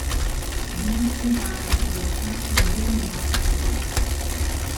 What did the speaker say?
These designs never passed the wooden mock-up stage.